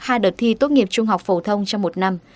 hai đợt thi tốt nghiệp trung học phổ thông trong một năm